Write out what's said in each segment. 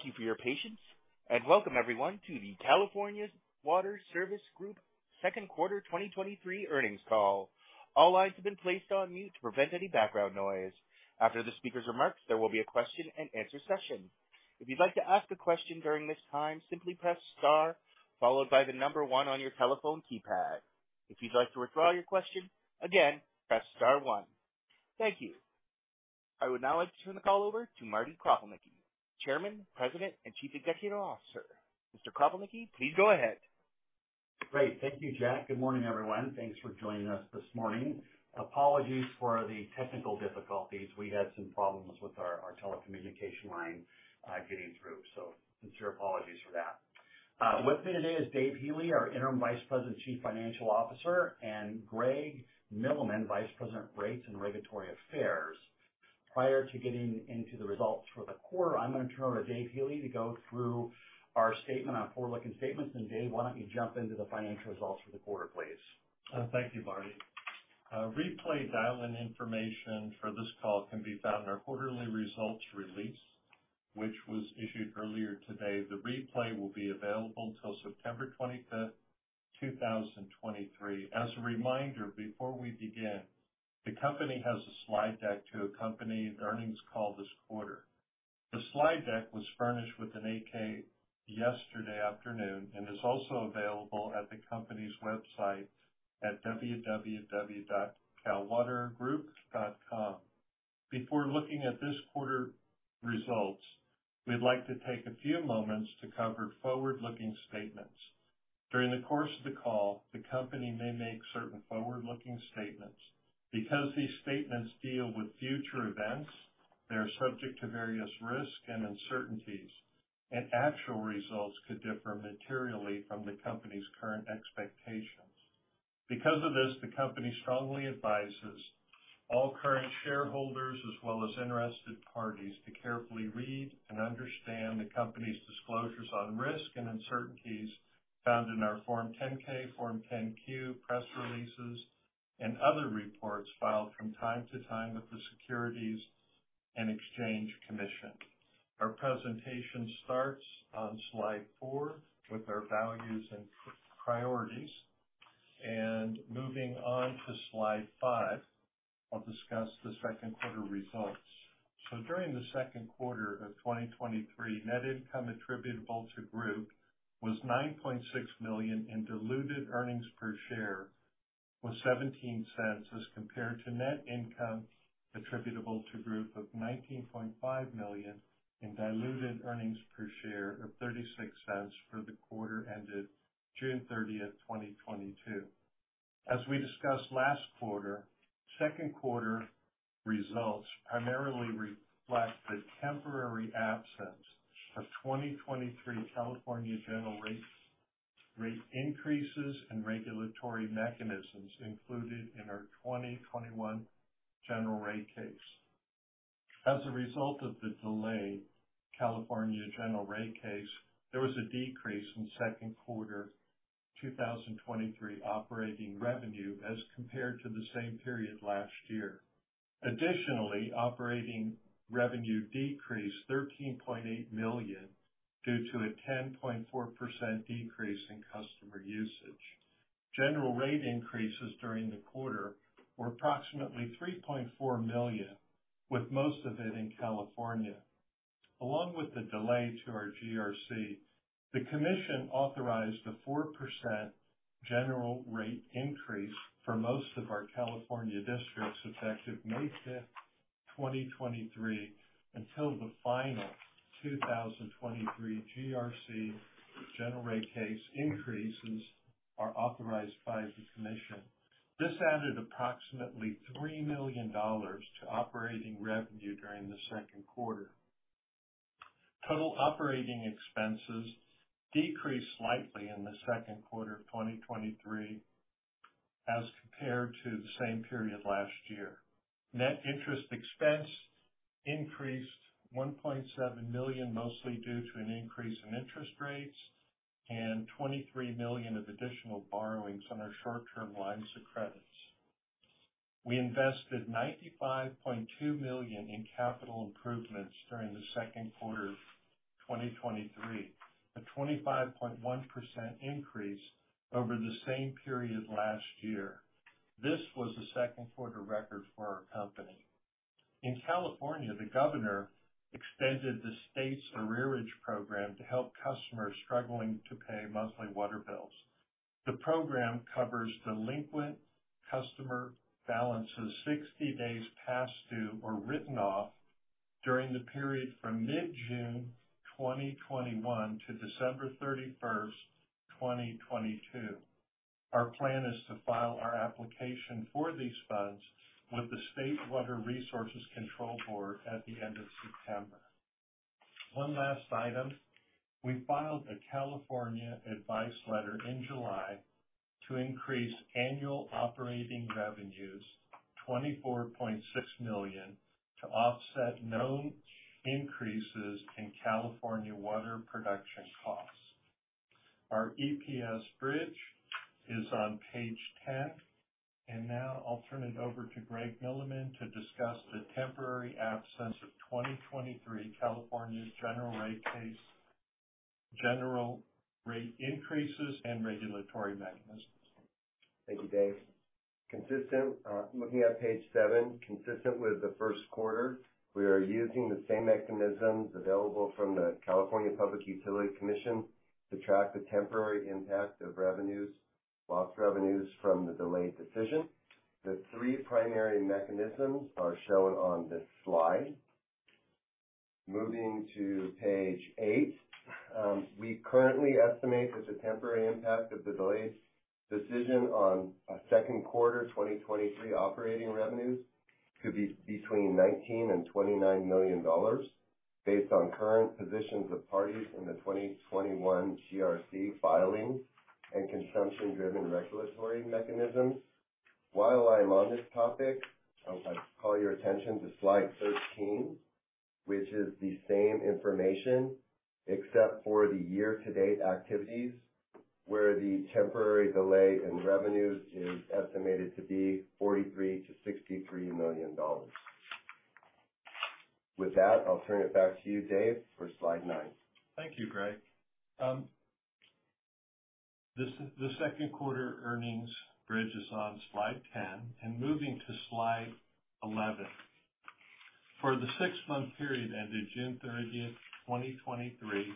Thank you for your patience. Welcome everyone to the California Water Service Group second quarter 2023 earnings call. All lines have been placed on mute to prevent any background noise. After the speaker's remarks, there will be a question and answer session. If you'd like to ask a question during this time, simply press star followed by the one on your telephone keypad. If you'd like to withdraw your question, again, press star one. Thank you. I would now like to turn the call over to Marty Kropelnicki, Chairman, President, and Chief Executive Officer. Mr. Kropelnicki, please go ahead. Great. Thank you, Jack. Good morning, everyone. Thanks for joining us this morning. Apologies for the technical difficulties. We had some problems with our telecommunication line, getting through, so sincere apologies for that. With me today is Dave Healey, our Interim Vice President, Chief Financial Officer, and Greg Milleman, Vice President, Rates and Regulatory Affairs. Prior to getting into the results for the quarter, I'm going to turn it over to Dave Healey to go through our statement on forward-looking statements. Dave, why don't you jump into the financial results for the quarter, please? Thank you, Marty. Replay dial-in information for this call can be found in our quarterly results release, which was issued earlier today. The replay will be available until September 25th, 2023. As a reminder, before we begin, the company has a slide deck to accompany the earnings call this quarter. The slide deck was furnished with an 8-K yesterday afternoon and is also available at the company's website at www.calwatergroup.com. Before looking at this quarter results, we'd like to take a few moments to cover forward-looking statements. During the course of the call, the company may make certain forward-looking statements. Because these statements deal with future events, they are subject to various risks and uncertainties, and actual results could differ materially from the company's current expectations. Because of this, the company strongly advises all current shareholders, as well as interested parties, to carefully read and understand the company's disclosures on risk and uncertainties found in our Form 10-K, Form 10-Q, press releases, and other reports filed from time to time with the Securities and Exchange Commission. Our presentation starts on slide four with our values and priorities, and moving on to slide five, I'll discuss the second quarter results. During the second quarter of 2023, net income attributable to group was $9.6 million, and diluted earnings per share was $0.17, as compared to net income attributable to group of $19.5 million in diluted earnings per share of $0.36 for the quarter ended June 30th, 2022. As we discussed last quarter, second quarter results primarily reflect the temporary absence of 2023 California general rates, rate increases and regulatory mechanisms included in our 2021 General Rate Case. As a result of the delayed California General Rate Case, there was a decrease in second quarter 2023 operating revenue as compared to the same period last year. Additionally, operating revenue decreased $13.8 million due to a 10.4% decrease in customer usage. General rate increases during the quarter were approximately $3.4 million, with most of it in California. Along with the delay to our GRC, the commission authorized a 4% general rate increase for most of our California districts, effective May 5th, 2023, until the final 2023 GRC, General Rate Case increases are authorized by the commission. This added approximately $3 million to operating revenue during the second quarter. Total operating expenses decreased slightly in the second quarter of 2023 as compared to the same period last year. Net interest expense increased $1.7 million, mostly due to an increase in interest rates and $23 million of additional borrowings on our short-term lines of credits. We invested $95.2 million in capital improvements during the second quarter of 2023, a 25.1% increase over the same period last year. This was a second quarter record for our company. In California, the governor extended the state's Arrearage Program to help customers struggling to pay monthly water bills. The program covers delinquent customer balances 60 days past due or written off during the period from mid-June 2021 to December 31st, 2022. Our plan is to file our application for these funds with the State Water Resources Control Board at the end of September. One last item. We filed a California advice letter in July to increase annual operating revenues $24.6 million, to offset known increases in California water production costs. Our EPS bridge is on page 10. Now I'll turn it over to Greg Milleman to discuss the temporary absence of 2023 California's General Rate Case, general rate increases and regulatory mechanisms. Thank you, Dave. Consistent, looking at page seven, consistent with the first quarter, we are using the same mechanisms available from the California Public Utilities Commission to track the temporary impact of revenues, lost revenues from the delayed decision. The three primary mechanisms are shown on this slide. Moving to page eight, we currently estimate that the temporary impact of the delayed decision on second quarter 2023 operating revenues could be between $19 million and $29 million, based on current positions of parties in the 2021 GRC filing and consumption-driven regulatory mechanisms. While I'm on this topic, I'd like to call your attention to slide 13, which is the same information except for the year-to-date activities, where the temporary delay in revenues is estimated to be $43 million-$63 million. With that, I'll turn it back to you, Dave, for slide nine. Thank you, Greg. The 2nd quarter earnings bridge is on slide 10, moving to slide 11. For the six-month period ended June 30th, 2023,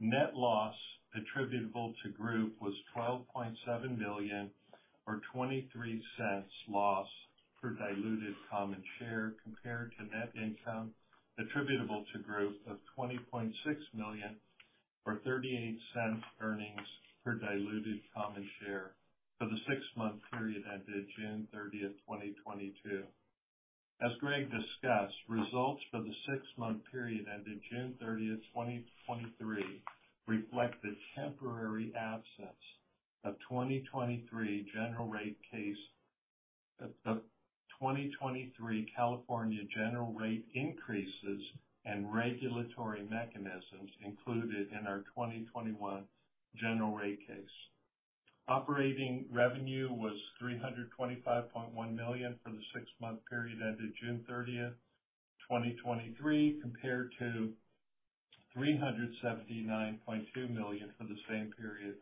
net loss attributable to group was $12.7 million, or $0.23 loss per diluted common share, compared to net income attributable to group of $20.6 million, or $0.38 earnings per diluted common share for the six-month period ended June 30th, 2022. As Greg discussed, results for the six-month period ended June 30th, 2023, reflect the temporary absence of 2023 General Rate Case. The 2023 California general rate increases and regulatory mechanisms included in our 2021 General Rate Case. Operating revenue was $325.1 million for the six-month period ended June 30th, 2023, compared to $379.2 million for the same period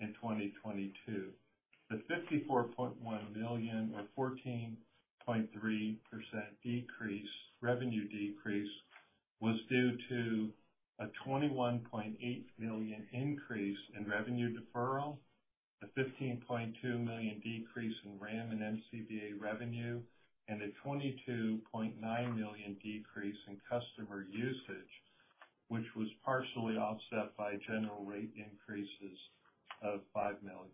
in 2022. The $54.1 million, or 14.3% decrease, revenue decrease, was due to a $21.8 million increase in revenue deferral, a $15.2 million decrease in RAM and MCBA revenue, and a $22.9 million decrease in customer usage, which was partially offset by general rate increases of $5 million.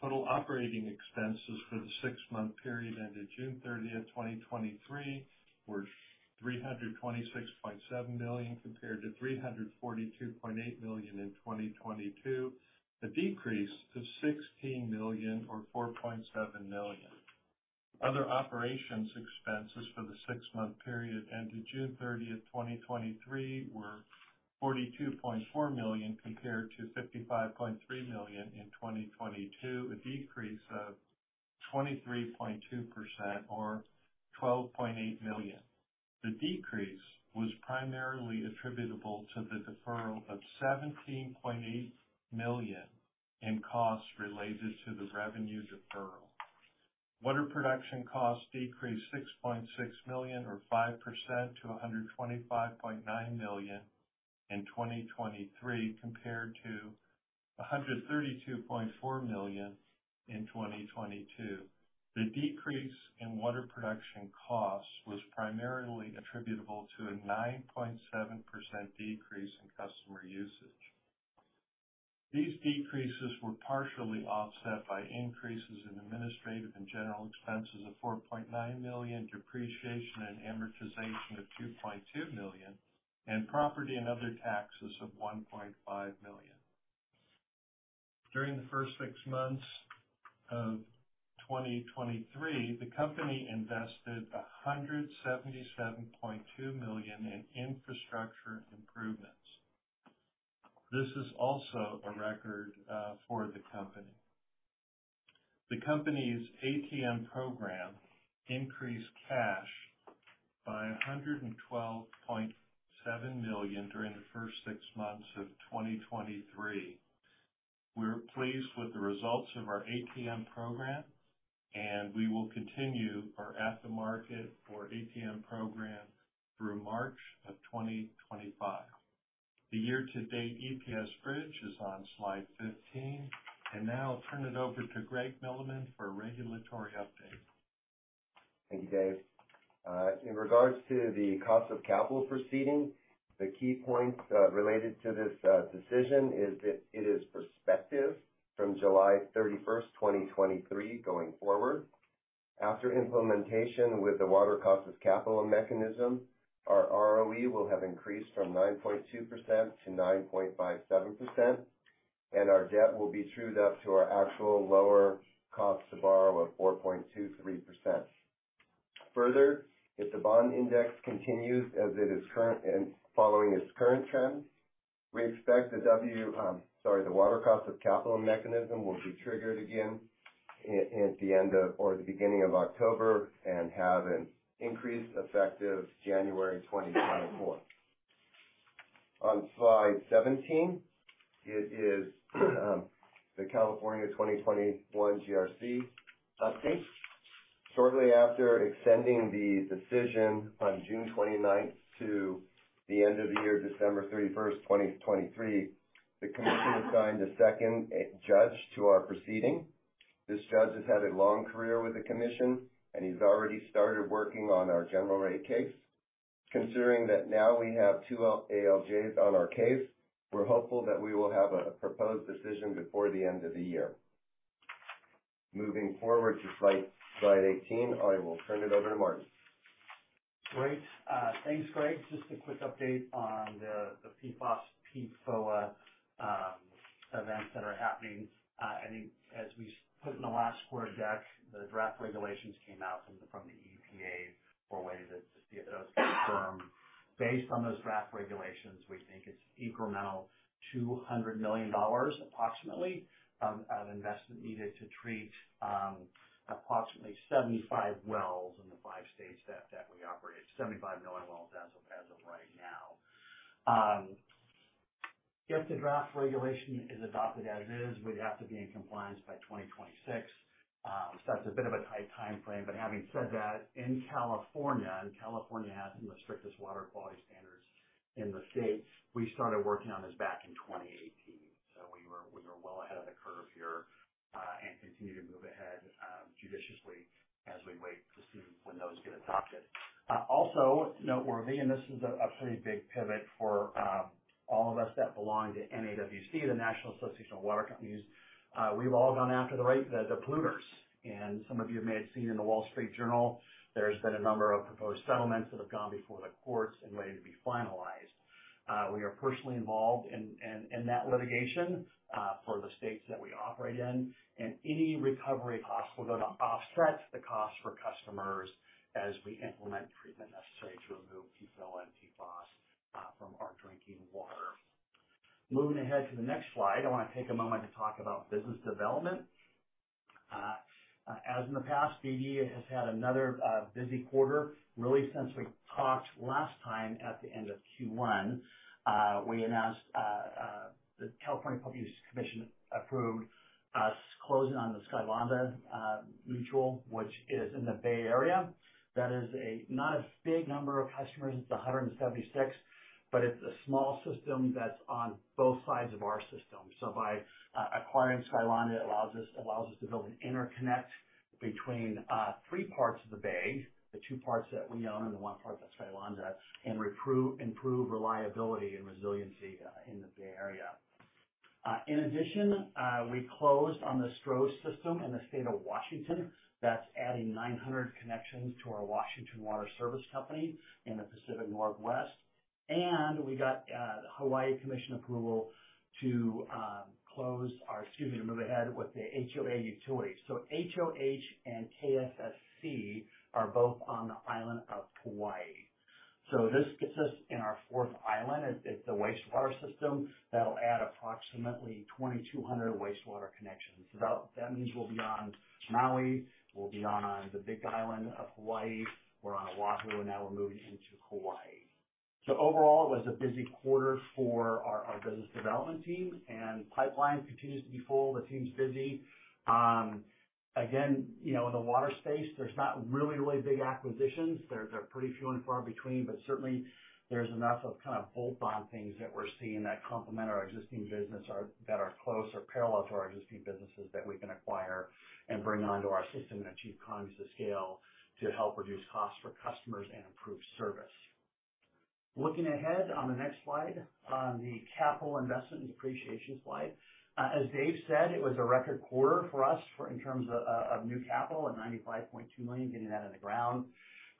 Total operating expenses for the six-month period ended June 30th, 2023, were $326.7 million, compared to $342.8 million in 2022, a decrease of $16 million or $4.7 million. Other operations expenses for the six-month period ended June 30th, 2023, were $42.4 million, compared to $55.3 million in 2022, a decrease of 23.2% or $12.8 million. The decrease was primarily attributable to the deferral of $17.8 million in costs related to the revenue deferral. Water production costs decreased $6.6 million, or 5% to $125.9 million in 2023, compared to $132.4 million in 2022. The decrease in water production costs was primarily attributable to a 9.7% decrease in customer usage. These decreases were partially offset by increases in administrative and general expenses of $4.9 million, depreciation and amortization of $2.2 million, and property and other taxes of $1.5 million. During the first six months of 2023, the company invested $177.2 million in infrastructure improvements. This is also a record for the company. The company's ATM program increased cash by $112.7 million during the first six months of 2023. We're pleased with the results of our ATM program, and we will continue our at the market or ATM program through March of 2025. The year-to-date EPS bridge is on slide 15, and now I'll turn it over to Greg Milleman for a regulatory update. Thank you, Dave. In regards to the cost of capital proceeding, the key points related to this decision is that it is perspective from July 31st, 2023, going forward. After implementation with the Water Cost of Capital Mechanism, our ROE will have increased from 9.2% to 9.57%, and our debt will be trued up to our actual lower cost to borrow of 4.23%. If the bond index continues as it is current and following its current trend, we expect the Water Cost of Capital Mechanism will be triggered again at the end of or the beginning of October and have an increase effective January 2024. On slide 17, it is the California 2021 GRC update. Shortly after extending the decision on June 29th to the end of the year, December 31st, 2023, the Commission assigned a second judge to our proceeding. This judge has had a long career with the Commission, and he's already started working on our General Rate Case. Considering that now we have two ALJs on our case, we're hopeful that we will have a proposed decision before the end of the year. Moving forward to slide 18, I will turn it over to Martin. Great. Thanks, Greg. Just a quick update on the, the PFAS, PFOA, events that are happening. I think as we put in the last quarter deck, the draft regulations came out from the, from the EPA for ways to, to get those confirmed. Based on those draft regulations, we think it's incremental $200 million approximately, of investment needed to treat, approximately 75 wells in the five states that, that we operate. 75 million wells as of, as of right now. If the draft regulation is adopted as is, we'd have to be in compliance by 2026. That's a bit of a tight timeframe. Having said that, in California, and California has some of the strictest water quality standards in the state, we started working on this back in 2018, so we were well ahead of the curve here and continue to move ahead judiciously as we wait to see when those get adopted. Also noteworthy, this is a pretty big pivot for all of us that belong to NAWC, the National Association of Water Companies. We've all gone after the rate, the polluters, and some of you may have seen in the Wall Street Journal, there's been a number of proposed settlements that have gone before the courts and waiting to be finalized. We are personally involved in that litigation for the states that we operate in, and any recovery costs will go to offset the cost for customers as we implement treatment necessary to remove PFOA and PFOS from our drinking water. Moving ahead to the next slide, I wanna take a moment to talk about business development. As in the past, BD has had another busy quarter. Really, since we talked last time at the end of Q1, we announced the California Public Utilities Commission approved us closing on the Skylonda Mutual, which is in the Bay Area. That is a not a big number of customers, it's 176, but it's a small system that's on both sides of our system. By acquiring Skylonda, it allows us to build an interconnect between three parts of the Bay, the two parts that we own and the one part that's Skylonda, and improve reliability and resiliency in the Bay Area. In addition, we closed on the Stroh's system in the state of Washington. That's adding 900 connections to our Washington Water Service Company in the Pacific Northwest. We got Hawaii Commission approval to move ahead with the HOH Utilities. HOH and KSSCS are both on the island of Hawaii. This gets us in our fourth island. It's a wastewater system that'll add approximately 2,200 wastewater connections. That means we'll be on Maui, we'll be on the Big Island of Hawaii, we're on Oʻahu, and now we're moving into Hawaii. Overall, it was a busy quarter for our business development team, and pipeline continues to be full. The team's busy. Again, you know, in the water space, there's not really big acquisitions. They're pretty few and far between, but certainly there's enough of kind of bolt-on things that we're seeing that complement our existing business or that are close or parallel to our existing businesses, that we can acquire and bring onto our system and achieve economies of scale to help reduce costs for customers and improve service. Looking ahead on the next slide, on the capital investment and depreciation slide. As Dave said, it was a record quarter for us in terms of new capital and $95.2 million, getting that in the ground.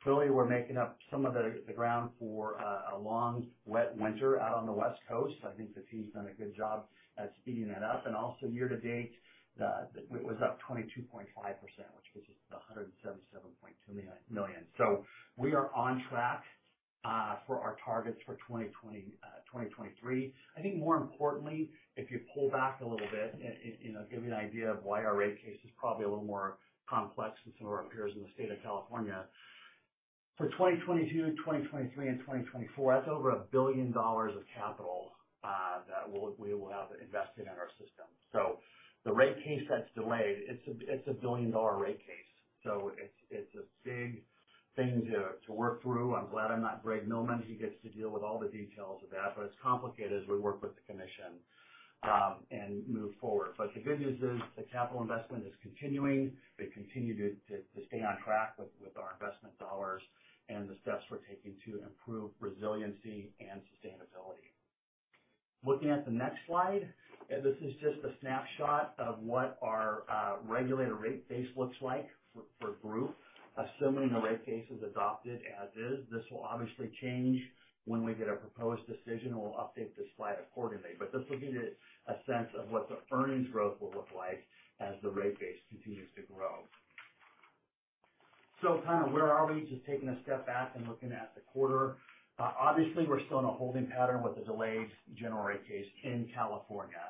Clearly, we're making up some of the ground for a long, wet winter out on the West Coast. I think the team's done a good job at speeding that up. Also year to date, it was up 22.5%, which gives us $177.2 million. We are on track for our targets for 2023. I think more importantly, if you pull back a little bit and, you know, give you an idea of why our rate case is probably a little more complex than some of our peers in the state of California. For 2022, 2023, and 2024, that's over $1 billion of capital that we will have invested in our system. The rate case that's delayed, it's a billion-dollar rate case, it's a big thing to work through. I'm glad I'm not Greg Milleman. He gets to deal with all the details of that, but it's complicated as we work with the commission and move forward. The good news is, the capital investment is continuing. We continue to stay on track with our investment dollars and the steps we're taking to improve resiliency and sustainability. Looking at the next slide, this is just a snapshot of what our regulator rate base looks like for group. Assuming the rate case is adopted as is, this will obviously change when we get a proposed decision, and we'll update this slide accordingly. This will give you a sense of what the earnings growth will look like as the rate base continues to grow. Kind of where are we? Just taking a step back and looking at the quarter. Obviously, we're still in a holding pattern with the delayed General Rate Case in California.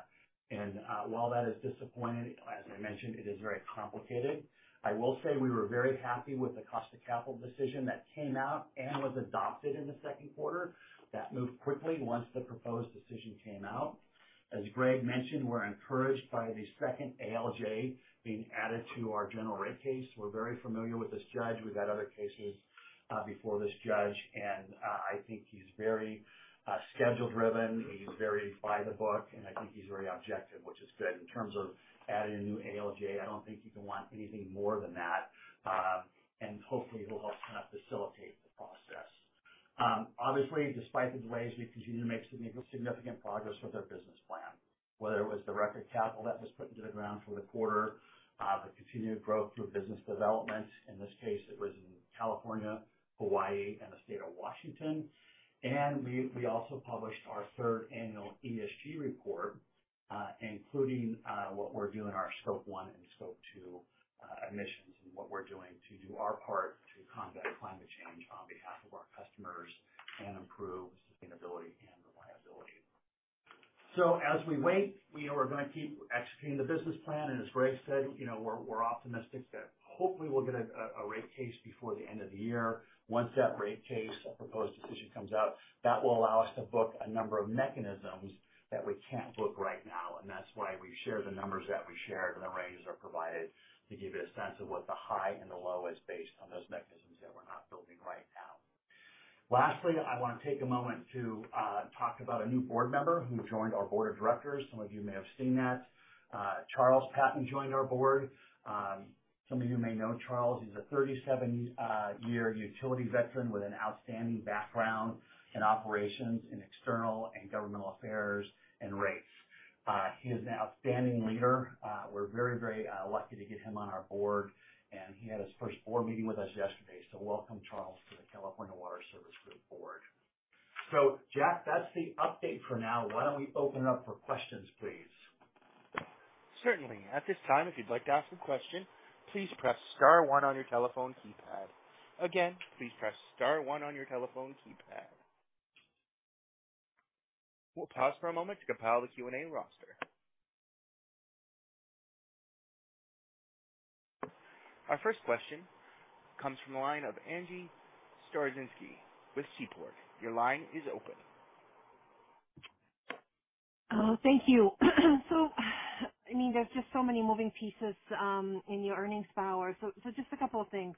While that is disappointing, as I mentioned, it is very complicated. I will say we were very happy with the cost of capital decision that came out and was adopted in the second quarter. That moved quickly once the proposed decision came out. As Greg mentioned, we're encouraged by the second ALJ being added to our General Rate Case. We're very familiar with this judge. We've had other cases before this judge, and I think he's very, schedule driven. He's very by the book, and I think he's very objective, which is good. In terms of adding a new ALJ, I don't think you can want anything more than that, and hopefully he'll help kind of facilitate the process. Obviously, despite the delays, we continue to make significant progress with our business plan, whether it was the record capital that was put into the ground for the quarter, the continued growth through business development. In this case, it was in California, Hawaii, and the state of Washington. We also published our third Annual ESG Report, including what we're doing in our Scope 1 and Scope 2 emissions, and what we're doing to do our part to combat climate change on behalf of our customers and improve sustainability and reliability. As we wait, we're going to keep executing the business plan. As Greg said, you know, we're optimistic that hopefully we'll get a rate case before the end of the year. Once that rate case, a proposed decision, comes out, that will allow us to book a number of mechanisms that we can't book right now. That's why we share the numbers that we shared. The ranges are provided to give you a sense of what the high and the low is based on those mechanisms that we're not booking right now. Lastly, I want to take a moment to talk about a new board member who joined our board of directors. Some of you may have seen that. Charles Patton joined our board. Some of you may know Charles. He's a 37 year utility veteran with an outstanding background in operations, in external and governmental affairs, and rates. He is an outstanding leader. We're very, very lucky to get him on our board, and he had his first board meeting with us yesterday. Welcome, Charles, to the California Water Service Group Board. Jack, that's the update for now. Why don't we open up for questions, please? Certainly. At this time, if you'd like to ask a question, please press star one on your telephone keypad. Again, please press star one on your telephone keypad. We'll pause for a moment to compile the Q&A roster. Our first question comes from the line of Angie Storozynski with Seaport. Your line is open. Thank you. I mean, there's just so many moving pieces in your earnings power. Just a couple of things.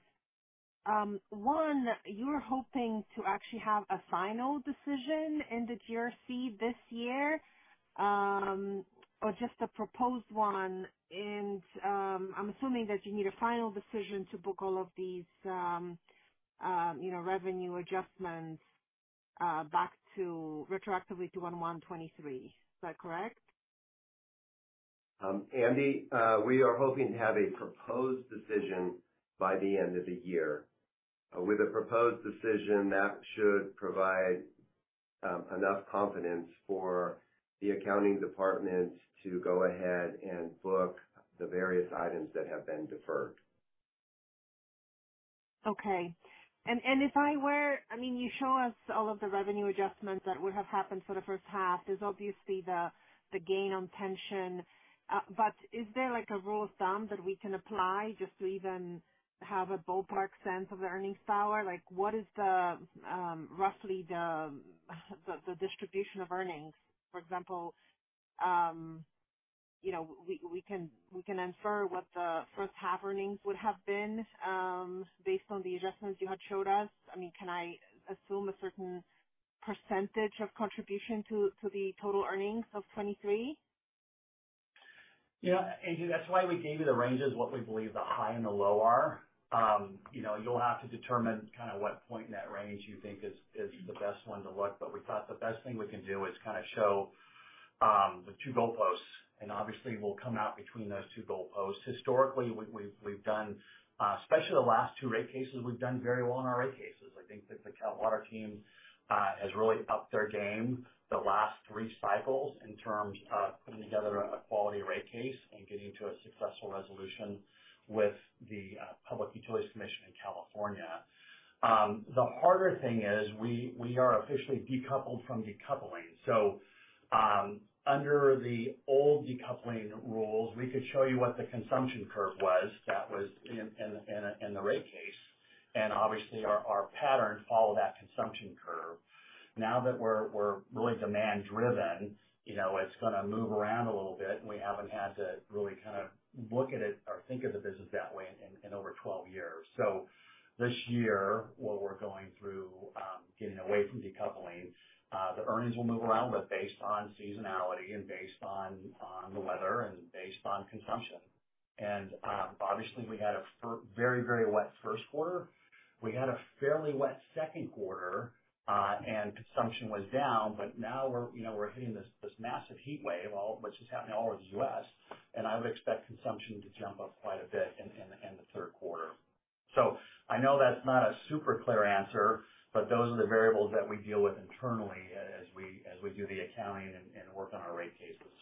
One, you're hoping to actually have a final decision in the GRC this year, or just a proposed one, I'm assuming that you need a final decision to book all of these, you know, revenue adjustments back to retroactively to January 1, 2023. Is that correct? Angie, we are hoping to have a proposed decision by the end of the year. With a proposed decision, that should provide enough confidence for the accounting departments to go ahead and book the various items that have been deferred. Okay. I mean, you show us all of the revenue adjustments that would have happened for the first half. There's obviously the gain on pension. Is there, like, a rule of thumb that we can apply just to even have a ballpark sense of the earnings power? Like, what is the roughly the distribution of earnings? For example, you know, we can infer what the first half earnings would have been based on the adjustments you had showed us. I mean, can I assume a certain percentage of contribution to the total earnings of 2023? Yeah, Angie, that's why we gave you the ranges, what we believe the high and the low are. you know, you'll have to determine kind of what point in that range you think is the best one to look, but we thought the best thing we can do is kind of show the two goalposts, and obviously we'll come out between those two goalposts. Historically, we've done, especially the last two rate cases, we've done very well in our rate cases. I think that the Cal Water team has really upped their game the last 3 cycles in terms of putting together a quality rate case and getting to a successful resolution with the Public Utilities Commission in California. The harder thing is we are officially decoupled from decoupling. Under the old decoupling rules, we could show you what the consumption curve was that was in the rate case, and obviously our patterns follow that consumption curve. Now that we're really demand driven, you know, it's going to move around a little bit, and we haven't had to really kind of look at it or think of the business that way in over 12 years. This year, what we're going through, getting away from decoupling, the earnings will move around, but based on seasonality and based on the weather and based on consumption. Obviously, we had a very, very wet first quarter. We had a fairly wet second quarter, and consumption was down, but now we're, you know, we're hitting this, this massive heat wave, all, which is happening all over the U.S., and I would expect consumption to jump up quite a bit in the third quarter. I know that's not a super clear answer, but those are the variables that we deal with internally as we do the accounting and work on our rate cases.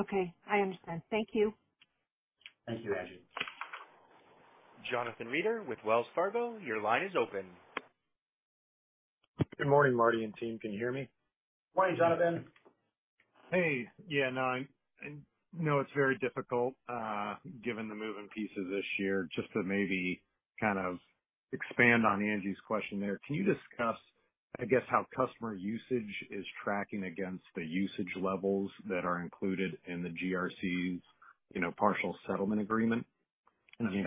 Okay, I understand. Thank you. Thank you, Angie. Jonathan Reeder with Wells Fargo, your line is open. Good morning, Marty and team. Can you hear me? Morning, Jonathan. Hey, yeah, no, I know it's very difficult, given the moving pieces this year. Just to maybe kind of expand on Angie's question there, can you discuss, I guess, how customer usage is tracking against the usage levels that are included in the GRCs, you know, partial settlement agreement? I mean,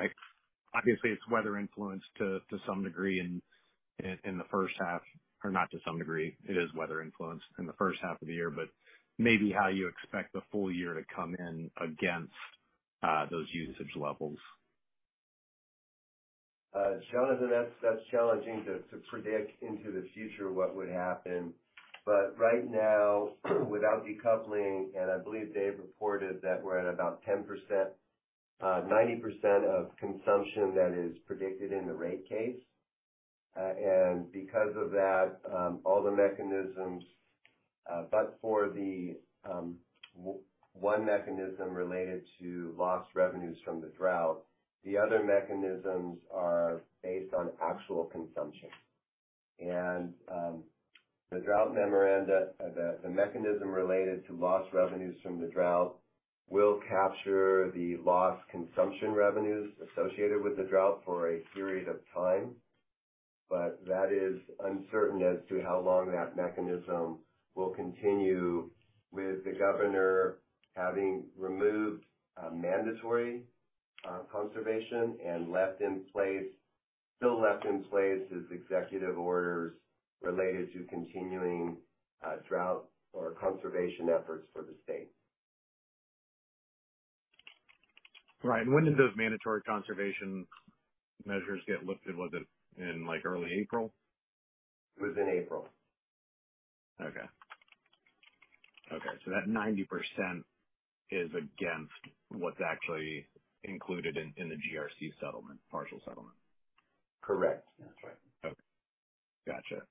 obviously, it's weather influenced to some degree in the first half, or not to some degree, it is weather influenced in the first half of the year, but maybe how you expect the full year to come in against those usage levels. Jonathan, that's challenging to predict into the future what would happen. Right now, without decoupling, and I believe Dave Healey reported that we're at about 10%, 90% of consumption that is predicted in the rate case. Because of that, all the mechanisms, but for the one mechanism related to lost revenues from the drought, the other mechanisms are based on actual consumption. The drought memoranda, the mechanism related to lost revenues from the drought will capture the lost consumption revenues associated with the drought for a period of time. That is uncertain as to how long that mechanism will continue with the governor having removed mandatory conservation and still left in place his executive orders related to continuing drought or conservation efforts for the state. Right. When did those mandatory conservation measures get lifted? Was it in like early April? It was in April. Okay. Okay, that 90% is against what's actually included in, in the GRC settlement, partial settlement? Correct. That's right. Okay. Gotcha.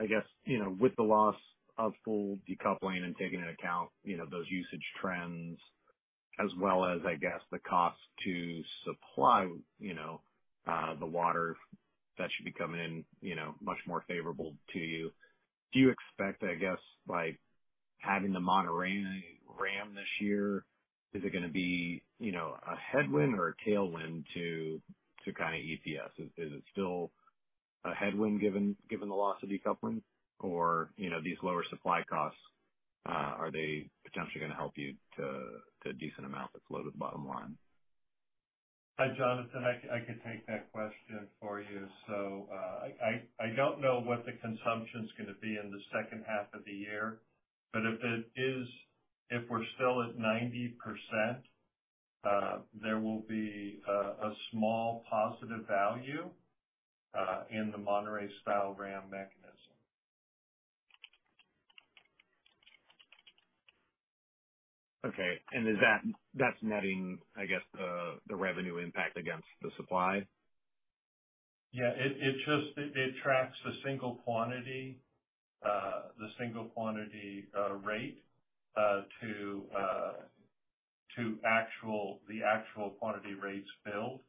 I guess, you know, with the loss of full decoupling and taking into account, you know, those usage trends as well as, I guess, the cost to supply, you know, the water, that should be coming in, you know, much more favorable to you. Do you expect, I guess, like, having the Monterey-style WRAM this year, is it gonna be, you know, a headwind or a tailwind to, to kind of EPS? Is it still a headwind given the loss of decoupling or, you know, these lower supply costs, are they potentially gonna help you to, to a decent amount that flow to the bottom line? Hi, Jonathan. I can take that question for you. I don't know what the consumption's gonna be in the second half of the year, if it is, if we're still at 90%, there will be a small positive value in the Monterey-style WRAM mechanism. Okay. Is that, that's netting, I guess, the, the revenue impact against the supply? Yeah. It just tracks the single quantity, the single quantity, rate to actual, the actual quantity rates billed.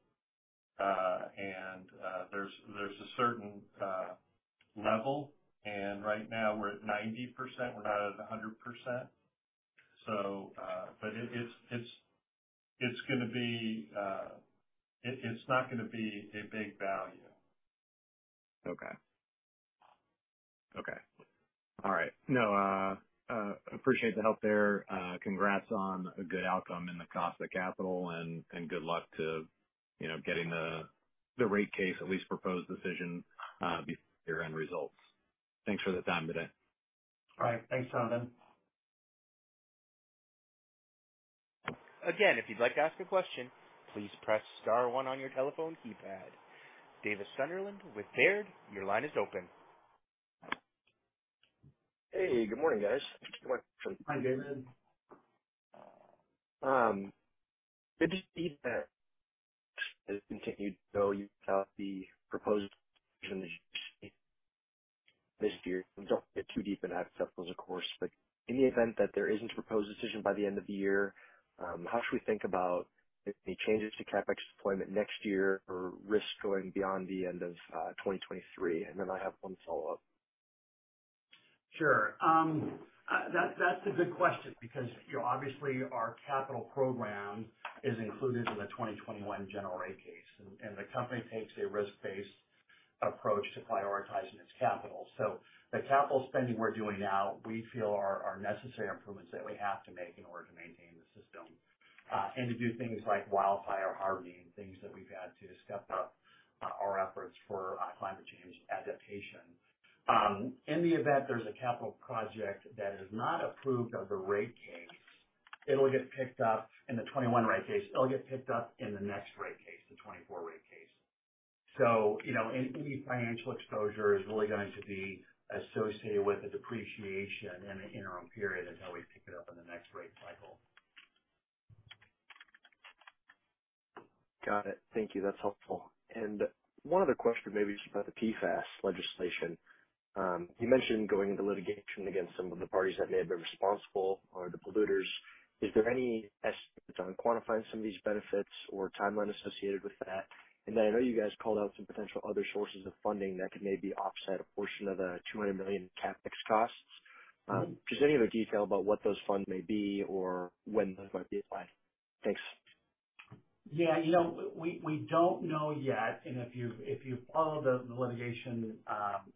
There's a certain level, and right now we're at 90%. We're not at 100%. But it's not gonna be a big value. Okay. Okay. All right. No, appreciate the help there. Congrats on a good outcome in the cost of capital and good luck to, you know, getting the, the rate case, at least proposed decision before your end results. Thanks for the time today. All right. Thanks, Jonathan. Again, if you'd like to ask a question, please press star one on your telephone keypad. Davis Sunderland with Baird, your line is open. Hey, good morning, guys. Good morning. Hi, Davis. Has continued though the proposed this year. Don't get too deep into financials, of course, but in the event that there isn't a proposed decision by the end of the year, how should we think about any changes to CapEx deployment next year or risks going beyond the end of, 2023? I have one follow-up. Sure. That's a good question because, you know, obviously our capital program is included in the 2021 General Rate Case, and the company takes a risk-based approach to prioritizing its capital. The capital spending we're doing now, we feel are necessary improvements that we have to make in order to maintain the system, and to do things like wildfire hardening, things that we've had to step up our efforts for climate change adaptation. In the event there's a capital project that is not approved of the rate case, it'll get picked up in the 2021 rate case. It'll get picked up in the next rate case, the 2024 rate case. You know, any financial exposure is really going to be associated with the depreciation in an interim period. Got it. Thank you. That's helpful. One other question, maybe just about the PFAS legislation. You mentioned going into litigation against some of the parties that may have been responsible or the polluters. Is there any estimates on quantifying some of these benefits or timeline associated with that? I know you guys called out some potential other sources of funding that could maybe offset a portion of the $200 million CapEx costs. Just any other detail about what those funds may be or when those might be applied? Thanks. You know, we don't know yet, if you follow the litigation,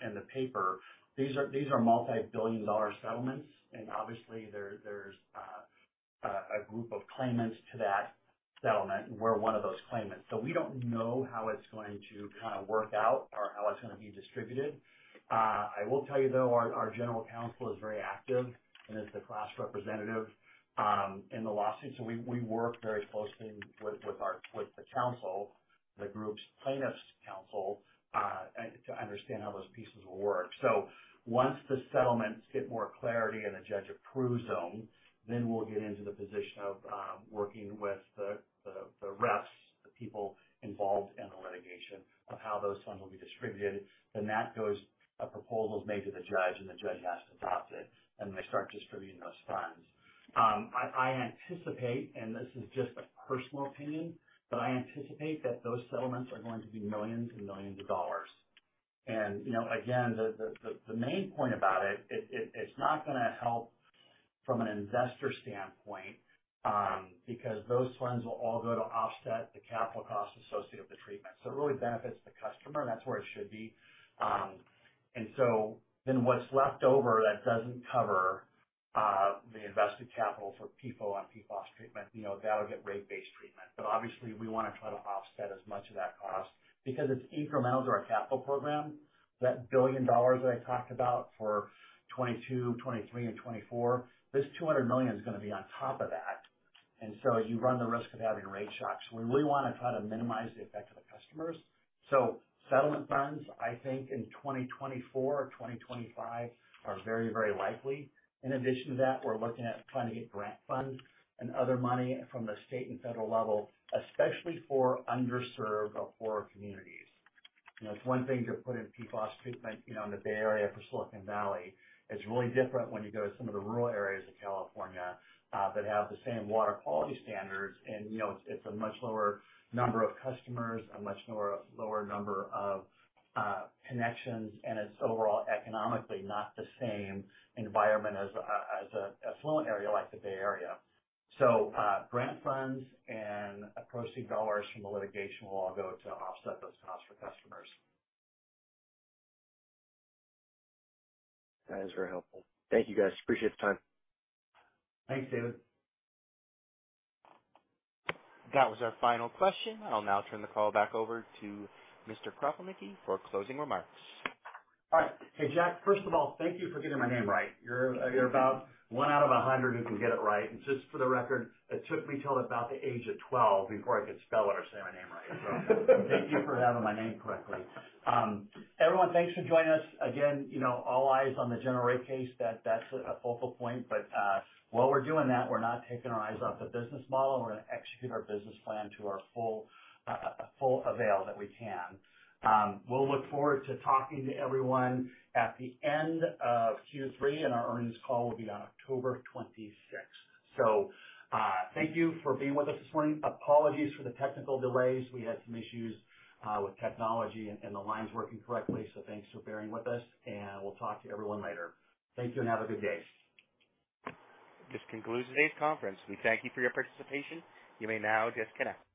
the paper, these are multi-billion dollar settlements, obviously, there's a group of claimants to that settlement. We're one of those claimants. We don't know how it's going to kind of work out or how it's gonna be distributed. I will tell you, though, our general counsel is very active and is the class representative in the lawsuit. We work very closely with the counsel, the group's plaintiff's counsel, to understand how those pieces will work. Once the settlements get more clarity and the judge approves them, then we'll get into the position of working with the refs, the people involved in the litigation, of how those funds will be distributed. A proposal is made to the judge, and the judge has to adopt it, and they start distributing those funds. I anticipate, and this is just a personal opinion, but I anticipate that those settlements are going to be millions and millions of dollars. You know, again, the main point about it, it's not gonna help from an investor standpoint because those funds will all go to offset the capital costs associated with the treatment. It really benefits the customer, and that's where it should be. What's left over that doesn't cover the invested capital for PFOA and PFOS treatment, you know, that'll get rate-based treatment. Obviously we want to try to offset as much of that cost because it's incremental to our capital program. That $1 billion that I talked about for 2022, 2023, and 2024, this $200 million is gonna be on top of that. You run the risk of having rate shocks. We really want to try to minimize the effect to the customers. Settlement funds, I think, in 2024 or 2025 are very, very likely. In addition to that, we're looking at trying to get grant funds and other money from the state and federal level, especially for underserved or poorer communities. You know, it's one thing to put in PFOS treatment, you know, in the Bay Area for Silicon Valley. It's really different when you go to some of the rural areas of California that have the same water quality standards. You know, it's a much lower number of customers, a much lower number of connections. It's overall economically not the same environment as a flowing area like the Bay Area. Grant funds and proceed dollars from the litigation will all go to offset those costs for customers. That is very helpful. Thank you, guys. Appreciate the time. Thanks, Davis. That was our final question. I'll now turn the call back over to Mr. Kropelnicki for closing remarks. All right. Hey, Jack, first of all, thank you for getting my name right. You're about one out of 100 who can get it right. Just for the record, it took me till about the age of 12 before I could spell it or say my name right. Thank you for having my name correctly. Everyone, thanks for joining us. Again, you know, all eyes on the General Rate Case. That's a focal point. While we're doing that, we're not taking our eyes off the business model, and we're gonna execute our business plan to our full full avail that we can. We'll look forward to talking to everyone at the end of Q3, and our earnings call will be on October 26th. Thank you for being with us this morning. Apologies for the technical delays. We had some issues with technology and the lines working correctly. Thanks for bearing with us. We'll talk to everyone later. Thanks. Have a good day. This concludes today's conference. We thank you for your participation. You may now disconnect.